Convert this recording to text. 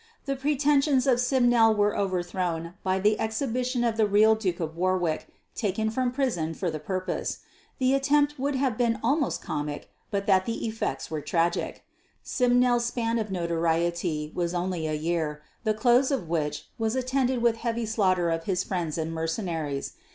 The pretensions of Simnel were overthrown by the exhibition of the real Duke of Warwick, taken from prison for the purpose. The attempt would have been almost comic but that the effects were tragic. Simnel's span of notoriety was only a year, the close of which was attended with heavy slaughter of his friends and mercenaries.